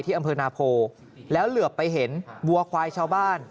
อำเภอนาโพแล้วเหลือไปเห็นวัวควายชาวบ้าน